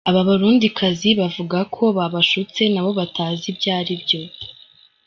Aba barundikazi bavuga ko babashutse nabo batazi ibyo aribyo